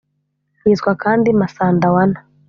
yitwa kandi Masandawana